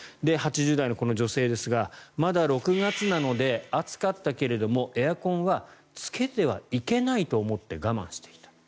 ８０代のこの女性ですがまだ６月なので暑かったけれどもエアコンはつけてはいけないと思って我慢していた。